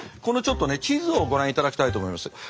このちょっとね地図をご覧いただきたいと思います。